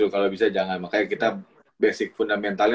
kalau bisa jangan makanya kita basic fundamentalnya